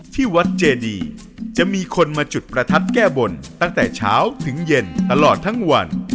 ที่วัดเจดีจะมีคนมาจุดประทัดแก้บนตั้งแต่เช้าถึงเย็นตลอดทั้งวัน